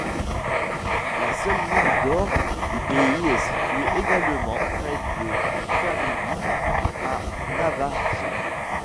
La seule mine d'or du pays est située également près de Karibib à Navachab.